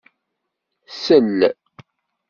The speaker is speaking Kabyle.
Sell!